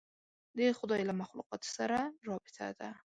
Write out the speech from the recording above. د خدای له مخلوقاتو سره رابطه ده.